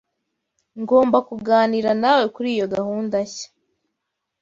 Ngomba kuganira nawe kuri iyo gahunda nshya.